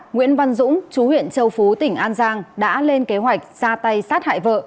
nguyễn văn dũng chú huyện châu phú tỉnh an giang đã lên kế hoạch ra tay sát hại vợ